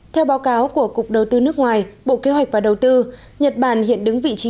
theo báo cáo của cục đầu tư nước ngoài bộ kế hoạch và đầu tư nhật bản hiện đứng vị trí